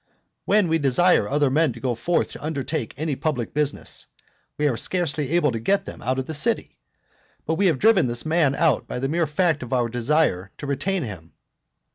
When we desire other men to go forth to undertake any public business, we are scarcely able to get them out of the city; but we have driven this man out by the mere fact of our desiring to retain him.